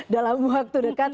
dalam waktu dekat